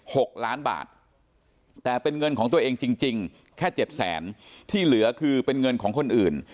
หกล้านบาทแต่เป็นเงินของตัวเองจริงจริงแค่เจ็ดแสนที่เหลือคือเป็นเงินของคนอื่น